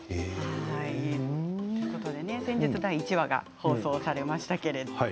先日、第１話が放送されました。